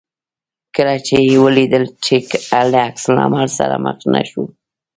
کله چې یې ولیدل چې له عکس العمل سره مخ نه شو.